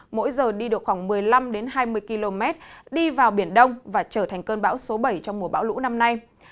mỗi giờ đi được khoảng một mươi năm hai mươi km đi vào biển đông và trở thành cơn bão số bảy trong mùa bão lũ năm nay